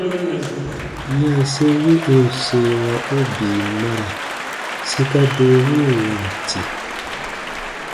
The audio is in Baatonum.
Yanse wi ù n seewa u bii mara sika doo win waati.